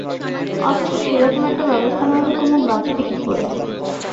অথচ সেরকম একটা ব্যবস্থা না হলে কুমু বাঁচবে কী করে?